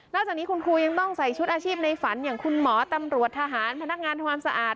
จากนี้คุณครูยังต้องใส่ชุดอาชีพในฝันอย่างคุณหมอตำรวจทหารพนักงานทำความสะอาด